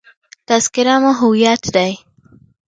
تذکره مو هویت دی.